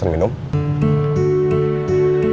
sampai kang komar